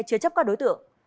chứa chấp các đối tượng